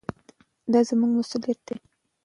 دا زموږ مسؤلیت دی.